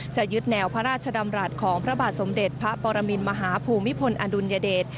จะยึดแนวพระราชดำรัฐของพระบาทสมเด็จพระปรมินมหาภูมิพลอดุลยเดช